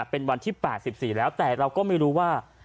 เป็นวันที่๘๔แล้วแต่เราก็ไม่รู้ว่า